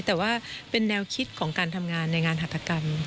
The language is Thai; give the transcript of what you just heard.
แต่ว่าเป็นแนวคิดของการทำงานในงานหัตกรรม